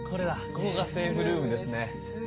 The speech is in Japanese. ここがセーフルームですね。